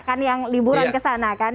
kan yang liburan kesana kan